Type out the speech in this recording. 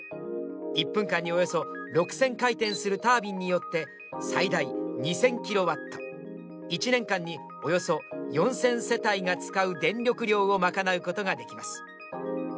１分間におよそ６０００回転するタービンによって最大２０００キロワット１年間におよそ４０００世帯が使う電力量を賄うことができます